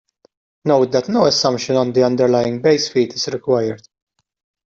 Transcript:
Note that no assumption on the underlying base field is required.